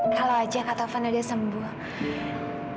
kalau aja kak tovan ada sembuhnya